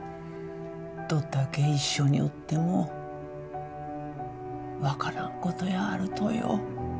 どっだけ一緒におっても分からんことやあるとよ。